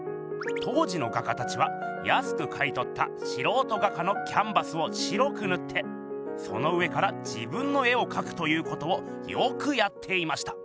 当時の画家たちはやすく買いとったしろうと画家のキャンバスを白くぬってその上から自分の絵をかくということをよくやっていました。